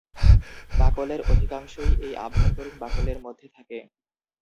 বাকলের অধিকাংশই এই আভ্যন্তরীন বাকল এর মধ্যে থাকে।